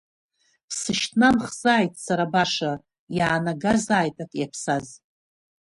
Сышьҭнамхзааит сара баша, иаанагазааит ак иаԥсаз.